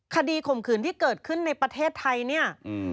คดีขมขืนที่เกิดขึ้นในประเทศไทย